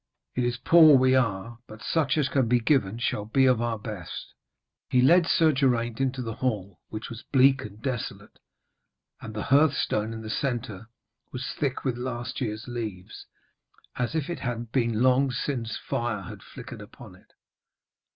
'It is poor we are, but such as can be given shall be of our best.' He led Sir Geraint into the hall, which was bleak and desolate, and the hearthstone in the centre was thick with last year's leaves, as if it had been long since fire had flickered upon it.